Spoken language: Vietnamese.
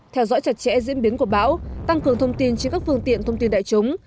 theo dõi chặt chẽ diễn biến của bão tăng cường thông tin trên các phương tiện thông tin đại chúng